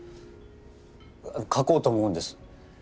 書こうと思うんです。